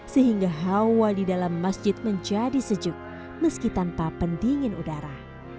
sehingga hawa di dalam masjid menjadi sejuk meski tanpa pendingin udara